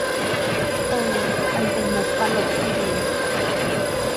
เออ มันเป็นมุกตลกที่ดี